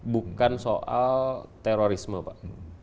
bukan soal terorisme pak